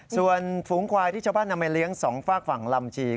ส่วนฝูงควายที่ชาวบ้านนำมาเลี้ยง๒ฝากฝั่งลำชี